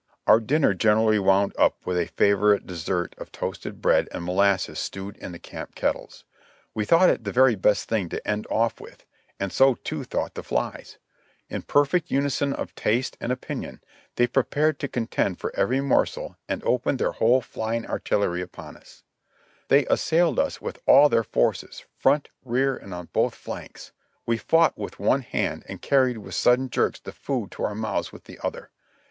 Our dinner generally wound up with a favorite dessert of toasted bread and molasses stewed in the camp kettles; we thought it the very best thing to end oflf with, and so too thought the flies; in perfect unison of taste and opinion, they prepared to contend for every morsel and opened their whole flying artillery upon us ; they assailed us with all their forces, front, rear and on both flanks. We fought with one hand and carried with sudden jerks the food to our mouths with the other.